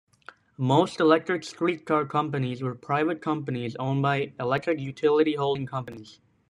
Most electric streetcar companies were private companies owned by electric utility holding companies.